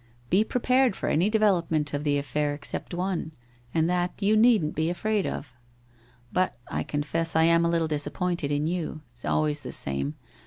Be prepared for any development of the affair except one, and that you needn't be afraid of. ... But I confess I am a little disappointed in you. It's always the same.